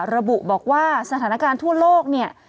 ระบุบอกว่าสถานการณ์ทั่วโลกเนี่ย